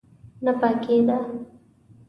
نه پاکېده.